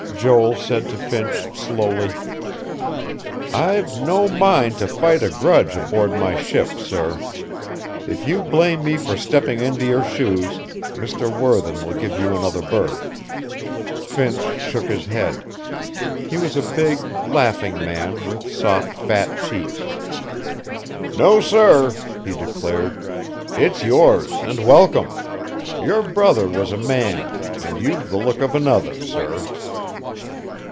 Joel said to Finch slowly: "I've no mind to fight a grudge aboard my ship, sir. If you blame me for stepping into your shoes, Mr. Worthen will give you another berth." Finch shook his head. He was a big, laughing man with soft, fat cheeks. "No, sir," he declared. "It's yours, and welcome. Your brother was a man; and you've the look of another, sir."